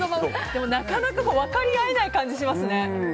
でも、なかなか分かり合えない感じがしますね。